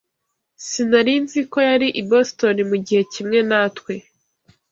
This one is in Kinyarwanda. Sinari nzi ko yari i Boston mugihe kimwe natwe.